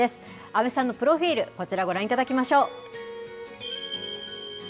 阿部さんのプロフィール、こちら、ご覧いただきましょう。